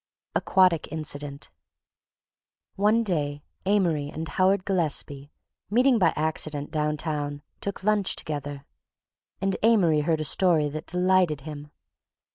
AQUATIC INCIDENT One day Amory and Howard Gillespie meeting by accident down town took lunch together, and Amory heard a story that delighted him.